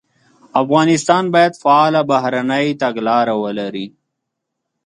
افغانستان باید فعاله بهرنۍ تګلاره ولري.